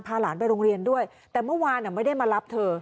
หลานไปโรงเรียนด้วยแต่เมื่อวานไม่ได้มารับเธอ